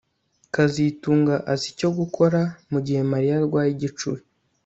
kazitunga azi icyo gukora mugihe Mariya arwaye igicuri